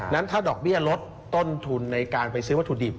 ถ้าดอกเบี้ยลดต้นทุนในการไปซื้อวัตถุดิบ